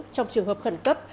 trong trường hợp khẩn cấp